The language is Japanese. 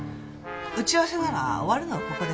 打ち合わせなら終わるのをここで。